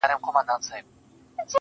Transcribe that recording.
پاس پر پالنگه اكثر,